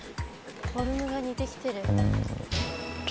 フォルムが似てきてる。